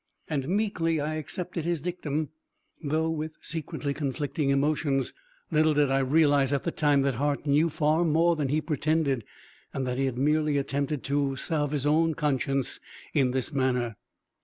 And meekly I accepted his dictum, though with secretly conflicting emotions. Little did I realize at the time that Hart knew far more than he pretended and that he had merely attempted to salve his own conscience in this manner.